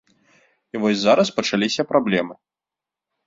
І вось зараз пачаліся праблемы.